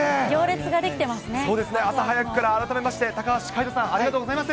そうですね、朝早くから改めまして高橋海人さん、ありがとうございます。